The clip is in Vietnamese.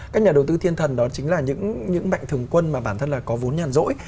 các nhà đầu tư thiên thần đó chính là những mạnh thường quân mà bản thân là có vốn nhàn rỗi